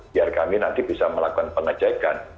biar kami nanti bisa melakukan pengecekan